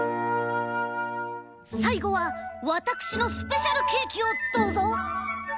さいごはわたくしのスペシャルケーキをどうぞ。